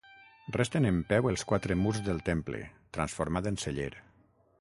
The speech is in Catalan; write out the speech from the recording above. Resten en peu els quatre murs del temple, transformat en celler.